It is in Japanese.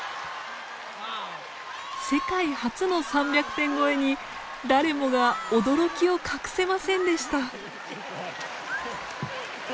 世界初の３００点超えに誰もが驚きを隠せませんでした。